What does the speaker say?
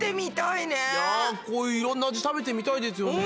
いやこういういろんな味食べてみたいですよね。